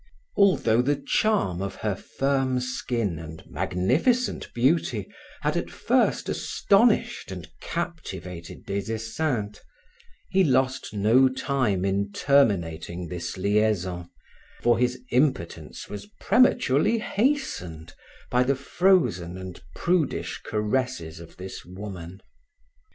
Although the charm of her firm skin and magnificent beauty had at first astonished and captivated Des Esseintes, he lost no time in terminating this liaison, for his impotence was prematurely hastened by the frozen and prudish caresses of this woman.